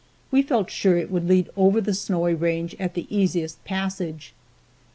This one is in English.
We felt sure it would lead over the Snowy range at the easiest passage.